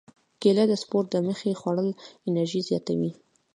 کېله د سپورت دمخه خوړل انرژي زیاتوي.